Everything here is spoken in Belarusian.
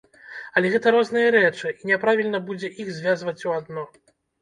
Але гэта розныя рэчы і няправільна будзе іх звязваць у адно.